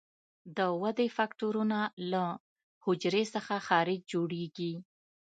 د ودې فکټورونه له حجرې څخه خارج جوړیږي.